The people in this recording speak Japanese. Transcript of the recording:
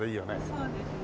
そうですね。